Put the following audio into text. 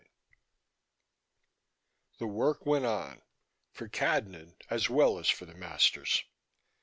11 The work went on, for Cadnan as well as for the masters.